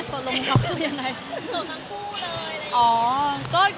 มียะไงครับสบายบ้างยังไง